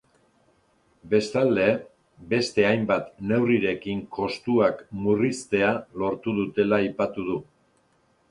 Bestalde, beste hainbat neurrirekin kostuak murriztea lortu dutela aipatu du.